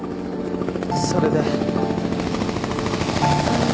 それで。